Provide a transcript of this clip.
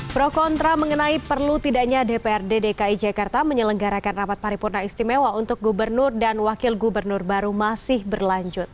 pro kontra mengenai perlu tidaknya dprd dki jakarta menyelenggarakan rapat paripurna istimewa untuk gubernur dan wakil gubernur baru masih berlanjut